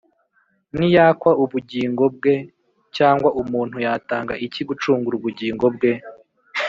niyakwa ubugingo bwe? Cyangwa umuntu yatanga iki gucungura ubugingo bwe?